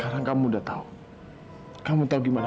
aku nggak pernah kaget hu di nama mila